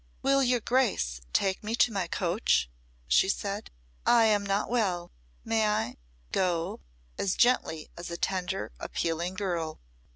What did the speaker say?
"Will your Grace take me to my coach?" she said. "I am not well. May I go?" as gently as a tender, appealing girl.